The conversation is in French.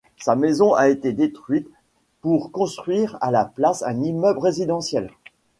Sa maison a été détruite pour construire à la place un immeuble résidentiel.